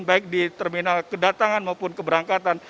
baik di terminal kedatangan maupun keberangkatan